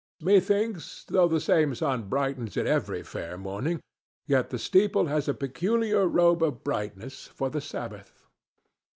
Methinks though the same sun brightens it every fair morning, yet the steeple has a peculiar robe of brightness for the Sabbath.